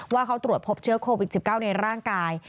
ว่าเขาตรวจพบเชื้อโควิด๑๙ในร่างกาย